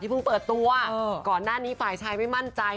เพิ่งเปิดตัวก่อนหน้านี้ฝ่ายชายไม่มั่นใจ